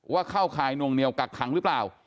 เข้าข่ายนวงเหนียวกักขังหรือเปล่า